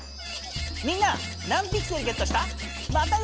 みんな何ピクセルゲットした？